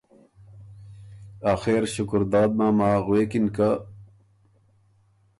آخر شکرداد ماما غوېکِن که